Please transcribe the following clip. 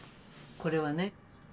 これはね。